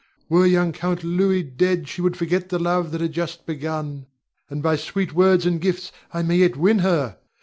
Were young Count Louis dead she would forget the love that had just begun, and by sweet words and gifts I may yet win her.